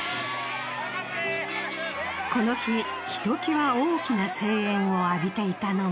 この日ひときわ大きな声援を浴びていたのが。